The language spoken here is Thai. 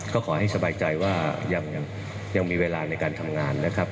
ก็ขอให้สบายใจว่ายังมีเวลาในการทำงานนะครับ